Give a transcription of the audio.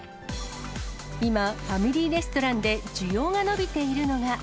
今、ファミリーレストランで需要が伸びているのが。